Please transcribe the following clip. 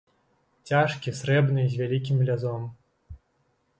Цяжкі, срэбны, з вялікім лязом!